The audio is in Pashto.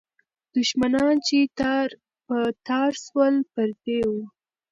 دښمنان چې تار په تار سول، پردي وو.